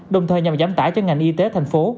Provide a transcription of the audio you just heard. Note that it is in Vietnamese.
đồng thời nhằm giảm tải cho ngành y tế thành phố